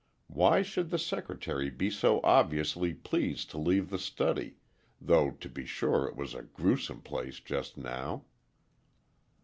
Why should the secretary be so obviously pleased to leave the study—though, to be sure, it was a grewsome place just now.